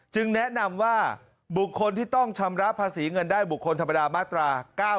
แนะนำว่าบุคคลที่ต้องชำระภาษีเงินได้บุคคลธรรมดามาตรา๙๑